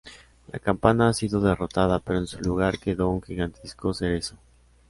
La campana ha sido derrotada, pero en su lugar quedó un gigantesco cerezo.